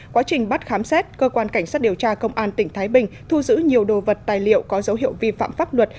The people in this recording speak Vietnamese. quá trình bắt khám xét cơ quan cảnh sát điều tra công an tỉnh thái bình thu giữ nhiều đồ vật tài liệu có dấu hiệu vi phạm pháp luật